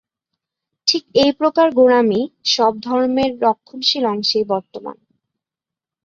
ঠিক এই প্রকার গোঁড়ামি সব ধর্মের রক্ষণশীল অংশেই বর্তমান।